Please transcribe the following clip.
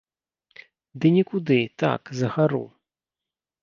Ды нікуды, так, за гару.